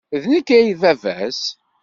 D nekk ay d baba-s?